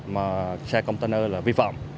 mà xe container là vi phạm